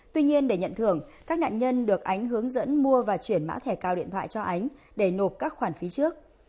tuy nhiên để nhận thưởng các nạn nhân được ánh hướng dẫn mua và chuyển mã thẻ cao điện thoại cho ánh để nộp các khoản phí trước